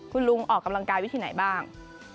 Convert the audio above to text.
คุณลุงออกกำลังกายวิธีไหนบ้าง